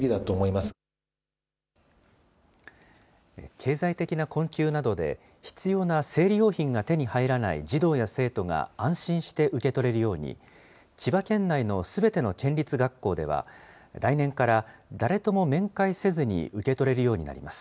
経済的な困窮などで、必要な生理用品が手に入らない児童や生徒が、安心して受け取れるように、千葉県内のすべての県立学校では、来年から、誰とも面会せずに受け取れるようになります。